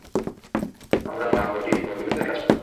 আমার মা forty four below তে কাজ করতো।